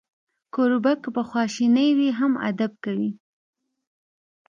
کوربه که په خواشینۍ وي، هم ادب کوي.